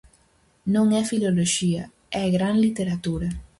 Non é filoloxía, é gran literatura.